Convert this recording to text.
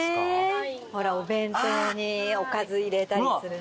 ほらお弁当におかず入れたりするのに。